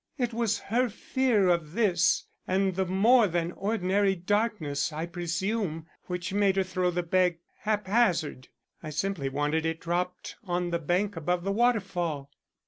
It was her fear of this and the more than ordinary darkness, I presume, which made her throw the bag hap hazard. I simply wanted it dropped on the bank above the waterfall."